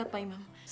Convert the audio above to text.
aku mau pergi